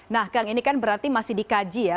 nah kang ini kan berarti masih dikaji ya